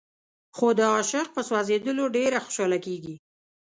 خو د عاشق په سوځېدلو ډېره خوشاله کېږي.